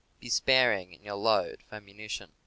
Be sparing in your load of ammunition.